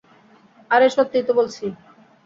আরে, সত্যিই তো বলছি।